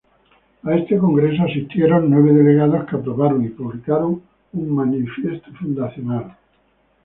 A este congreso asistieron nueve delegados que aprobaron y publicaron un manifiesto fundacional.